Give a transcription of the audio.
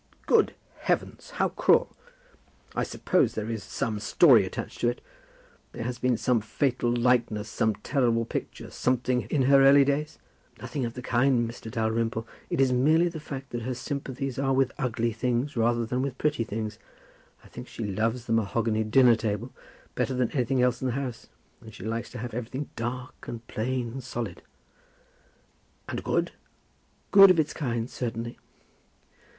"Good heavens; how cruel! I suppose there is some story attached to it. There has been some fatal likeness, some terrible picture, something in her early days?" "Nothing of the kind, Mr. Dalrymple. It is merely the fact that her sympathies are with ugly things, rather than with pretty things. I think she loves the mahogany dinner table better than anything else in the house; and she likes to have everything dark, and plain, and solid." "And good?" "Good of its kind, certainly."